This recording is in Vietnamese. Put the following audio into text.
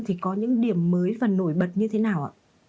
thì có những điểm mới và nổi bật như thế nào ạ